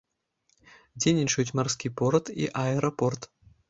Дзейнічаюць марскі порт і аэрапорт.